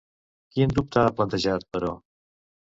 Quin dubte ha plantejat, però?